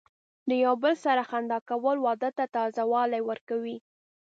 د یو بل سره خندا کول، واده ته تازه والی ورکوي.